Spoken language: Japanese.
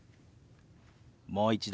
もう一度。